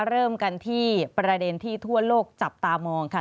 เริ่มกันที่ประเด็นที่ทั่วโลกจับตามองค่ะ